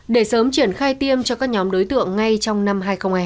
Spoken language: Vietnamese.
để sớm triển khai tiêm cho các nhóm đối tượng ngay trong năm hai nghìn hai mươi hai